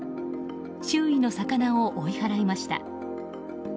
周囲の魚を追い払いました。